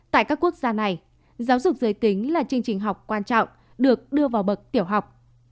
tại các quốc gia này giáo dục giới tính là chương trình học quan trọng được đưa vào bậc tiểu học